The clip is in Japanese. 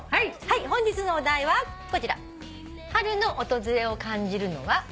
本日のお題はこちら。